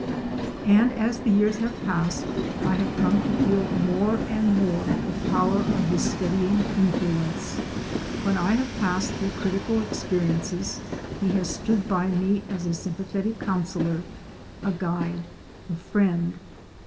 And as the years have passed I have come to feel more and more the power of his steadying influence. When I have passed through critical experiences he has stood by me as a sympathetic counsellor, a guide, a friend.